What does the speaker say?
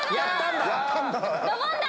ドボンだ！